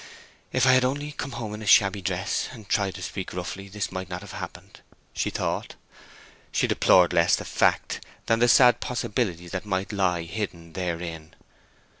"If I had only come home in a shabby dress, and tried to speak roughly, this might not have happened," she thought. She deplored less the fact than the sad possibilities that might lie hidden therein.